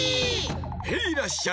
ヘイらっしゃい！